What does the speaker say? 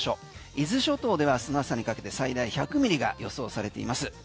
伊豆諸島ではあすの朝にかけて最大１００ミリが予想されています。